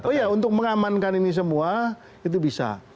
oh iya untuk mengamankan ini semua itu bisa